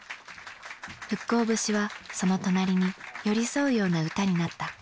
「復興節」はその隣に寄り添うような歌になった。